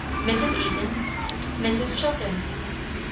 Eaton. Mrs. Chilton.